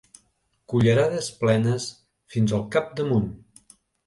Cullerades plenes fins al capdamunt.